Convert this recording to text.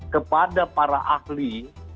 kepada para ahli